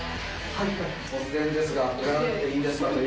はい。